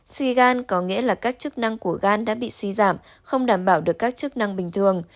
suy gan có nghĩa là các chức năng của gan đã bị suy giảm không đảm bảo được các chức năng bình thường